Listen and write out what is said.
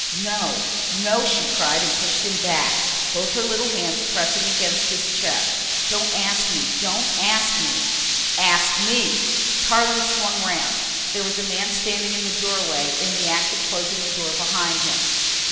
"No, no!" she cried and pushed him back, both her little hands pressing against his chest. "Don't ask me, don't ask me " "Ask me!" Tarling swung round. There was a man standing in the doorway, in the act of closing the door behind him.